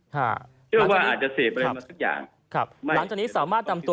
เพราะว่าอาจจะเสพอะไรมาซักอย่าง